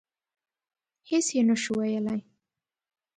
هېڅ یې نه شو ویلای.